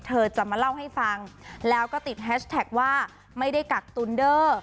เธอจะมาเล่าให้ฟังแล้วก็ติดแฮชแท็กว่าไม่ได้กักตุลเดอร์